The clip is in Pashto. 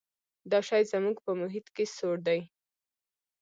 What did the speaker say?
دا شی زموږ په محیط کې سوړ دی.